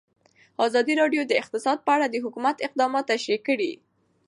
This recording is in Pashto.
ازادي راډیو د اقتصاد په اړه د حکومت اقدامات تشریح کړي.